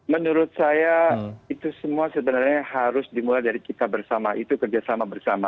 menurut saya itu semua sebenarnya harus dimulai dari kita bersama itu kerjasama bersama